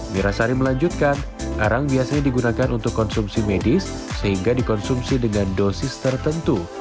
mirasari melanjutkan arang biasanya digunakan untuk konsumsi medis sehingga dikonsumsi dengan dosis tertentu